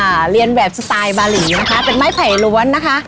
เรียนแบบสไตล์บาหลีนะคะเป็นไม้ไผ่ล้วนนะคะ